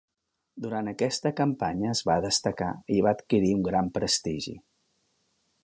Durant aquesta campanya es va destacar i va adquirir un gran prestigi.